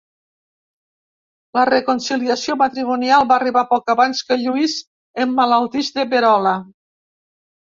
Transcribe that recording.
La reconciliació matrimonial va arribar poc abans que Lluís emmalaltís de verola.